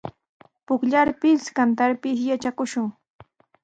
Pukllarpis, kantarpis yatrakushun.